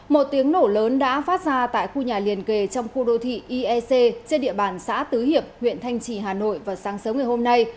một tiếng nổ lớn đã phát ra tại khu nhà liền kề trong khu đô thị iec trên địa bàn xã tứ hiệp huyện thanh trì hà nội vào sáng sớm ngày hôm nay